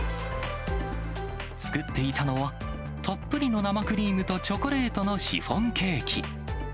作っていたのは、たっぷりの生クリームとチョコレートのシフォンケーキ。